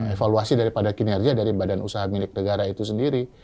evaluasi daripada kinerja dari badan usaha milik negara itu sendiri